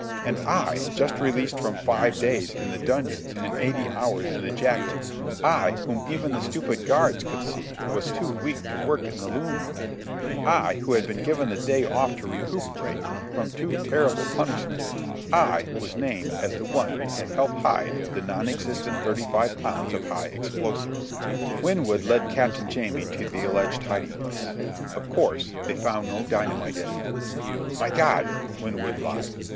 And I, just released from five days in the dungeons and eighty hours in the jacket; I, whom even the stupid guards could see was too weak to work in the loom room; I, who had been given the day off to recuperate—from too terrible punishment—I was named as the one who had helped hide the non existent thirty five pounds of high explosive! Winwood led Captain Jamie to the alleged hiding place. Of course they found no dynamite in it. "My God!" Winwood lied.